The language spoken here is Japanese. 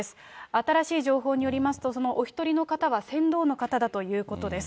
新しい情報によりますと、そのお１人の方は船頭の方だということです。